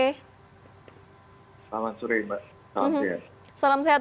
selamat sore mbak salam sehat